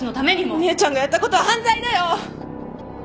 お姉ちゃんがやったことは犯罪だよ。